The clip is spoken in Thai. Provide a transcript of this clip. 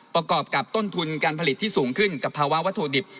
ประกอบกับต้นทุนการผลิตที่สูงขึ้นกับภาวะวัตถุดิบ